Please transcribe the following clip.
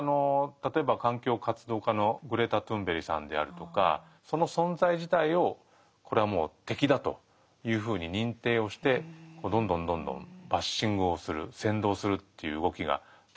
例えば環境活動家のグレタ・トゥーンベリさんであるとかその存在自体をこれはもう敵だというふうに認定をしてどんどんどんどんバッシングをする扇動するっていう動きが出てくる。